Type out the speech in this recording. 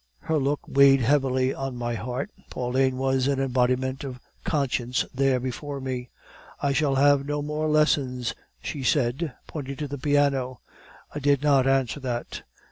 "Her look weighed heavily on my heart; Pauline was an embodiment of conscience there before me. "'I shall have no more lessons,' she said, pointing to the piano. "I did not answer that.